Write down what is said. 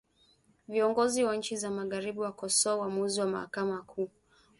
Viongozi wa nchi za magharibi wakosowa uamuzi wa Mahakama Kuu